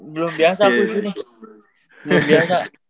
belum biasa aku disini